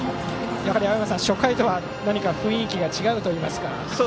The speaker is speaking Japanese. やはり青山さん、初回とは雰囲気が違うといいますか。